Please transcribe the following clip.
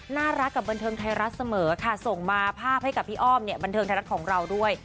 น่ารักกับบันเทิงไทยรัฐเสมอค่ะส่งมาภาพให้กับพี่อ้อมเนี่ยบันเทิงไทยรัฐของเราด้วย